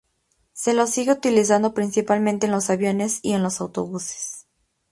Se lo sigue utilizando principalmente en los aviones y en los autobuses.